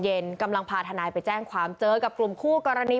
กำลังพาทนายไปแจ้งความเจอกับกลุ่มคู่กรณี